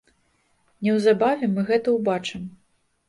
Неўзабаве мы гэта убачым.